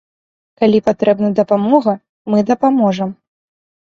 Калі патрэбна дапамога, мы дапаможам.